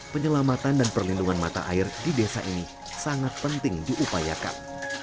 penyelamatan dan perlindungan mata air di desa ini sangat penting diupayakan